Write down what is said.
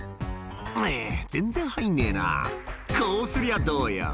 「あ全然入んねえなこうすりゃどうよ？」